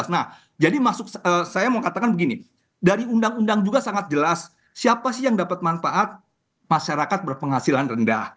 nah jadi masuk saya mau katakan begini dari undang undang juga sangat jelas siapa sih yang dapat manfaat masyarakat berpenghasilan rendah